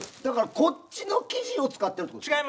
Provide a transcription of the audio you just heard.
だからこっちの生地を使ってるって事？